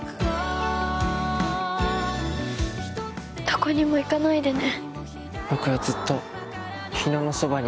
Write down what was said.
どこにも行かないでね。